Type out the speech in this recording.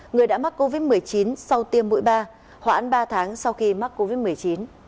người đã mắc covid một mươi chín sau tiêm mũi ba hoãn ba tháng sau khi mắc covid một mươi chín